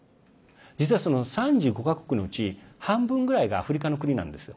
実は、その３５か国のうち半分ぐらいがアフリカの国なんですよ。